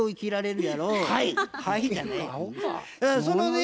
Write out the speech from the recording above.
そのね